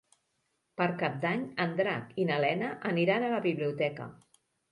Per Cap d'Any en Drac i na Lena aniran a la biblioteca.